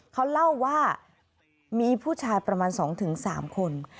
เขาเล่าว่ามีผู้ชายประมาณ๒๓คน